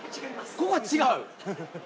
ここは違う。